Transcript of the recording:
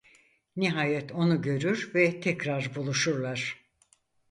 Nihayet onu görür ve tekrar buluşurlar.